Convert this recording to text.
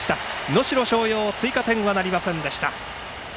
能代松陽追加点はなりませんでした。